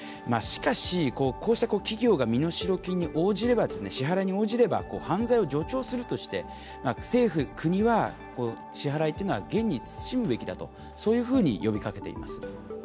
しかし、こうした企業が身代金に応じれば支払いに応じれば犯罪を助長するとして政府、国は支払いというのは厳に慎むべきだとそういうふうに呼びかけています。